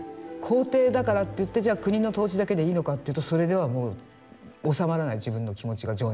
皇帝だからといってじゃあ国の統治だけでいいのかっていうとそれでは収まらない自分の気持ちが。